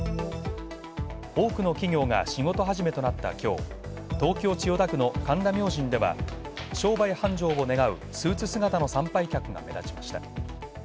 多くの企業が仕事始めとなったきょう東京・千代田区の神田明神では商売繁盛を願うスーツ姿の参拝客が目立ちました。